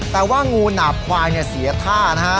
แต่ว่างูหนาบควายเสียท่านะฮะ